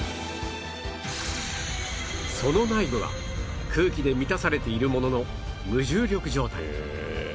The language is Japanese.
その内部は空気で満たされているものの無重力状態